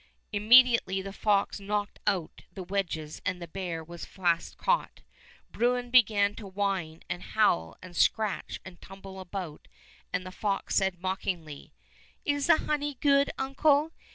Immediately the fox knocked out the wedges and the bear was fast caught. Bruin began to whine and howl and scratch and tumble about, and the fox said mockingly: " Is the honey good, uncle.